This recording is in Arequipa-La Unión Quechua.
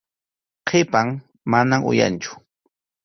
Qhipan, mana uyanchu.